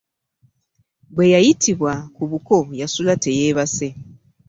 Bwe yayitibwa ku buko yasula teyeebase.